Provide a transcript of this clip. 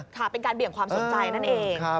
ค่ะเป็นการเบี่ยงความสนใจนั่นเอง